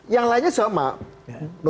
yang lainnya sama